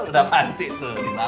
udah pasti tuh